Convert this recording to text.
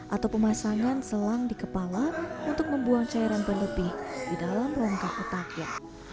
atau pemasangan selang di kepala untuk membuang cairan berlebih di dalam rongka otaknya